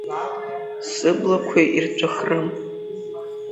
Сыблақәа ирҵәахрым.